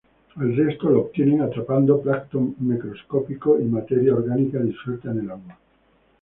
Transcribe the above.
El resto lo obtienen atrapando plancton microscópico y materia orgánica disuelta en el agua.